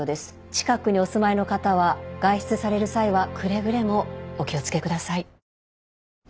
近くにお住まいの方は外出される際はくれぐれもお気を付けください。